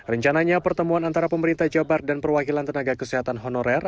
rencananya pertemuan antara pemerintah jabar dan perwakilan tenaga kesehatan honorer